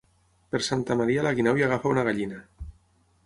Per Santa Maria la guineu ja agafa una gallina.